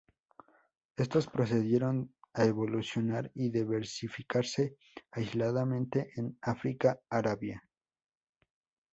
Estos procedieron a evolucionar y diversificarse aisladamente en África-Arabia.